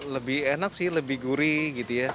lebih enak sih lebih gurih